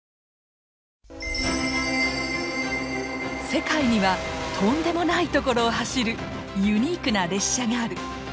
世界にはとんでもない所を走るユニークな列車がある！